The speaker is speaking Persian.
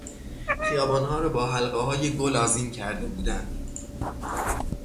خیابانها را با حلقههای گل آذین کرده بودند.